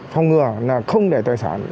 phòng ngừa là không để tài sản